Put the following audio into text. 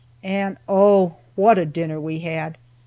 And, oh, what a dinner we had!